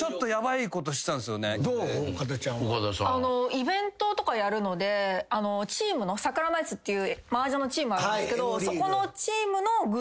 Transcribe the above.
イベントとかやるのでチームの。っていうマージャンのチームあるんですけどそこの。